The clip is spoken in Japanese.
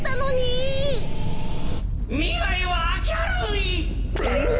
みらいはあきゃるい。えっ？